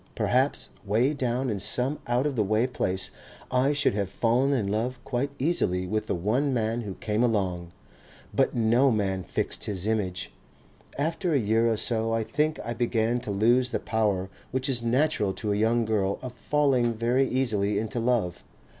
Perhaps way down in some out of the way place I should have fallen in love quite easily with the one man who came along. But no man fixed his image. After a year or so I think I began to lose the power which is natural to a young girl of falling very easily into love.